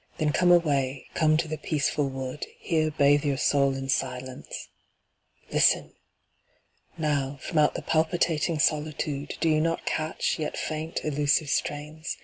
Then come away, come to the peaceful wood, Here bathe your soul in silence. Listen! Now, From out the palpitating solitude Do you not catch, yet faint, elusive strains?